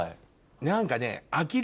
何かね。